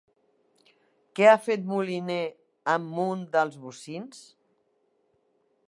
Què ha fet Moliner amb un dels bocins?